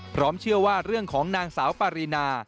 เชื่อว่าเรื่องของนางสาวปารีนา